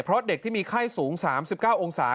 เพราะเด็กที่มีไข้สูง๓๙องศา